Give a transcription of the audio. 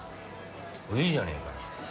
いいじゃねぇかよ。